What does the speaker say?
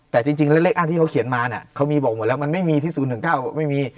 แต่จริงแล้วเลขอ้างที่เขาเขียนมาเนี่ยเขามีบอกหมดแล้วมันไม่มีที่๐๑๙ไม่มี